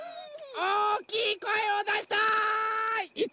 おおきいこえをだしたい！